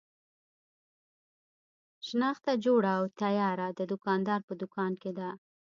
شنخته جوړه او تیاره د دوکاندار په دوکان کې ده.